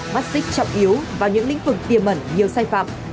mắt xích trọng yếu vào những lĩnh vực tiềm mẩn nhiều sai phạm